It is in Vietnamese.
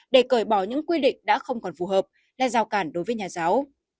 để cởi bỏ những quy định đã không còn phù hợp là rào cản đối với nhà giáo